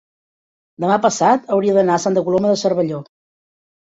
demà passat hauria d'anar a Santa Coloma de Cervelló.